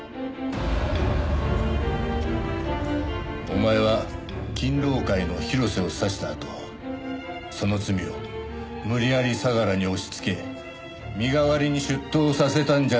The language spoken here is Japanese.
お前は金狼会の広瀬を刺したあとその罪を無理やり相良に押しつけ身代わりに出頭させたんじゃないのか？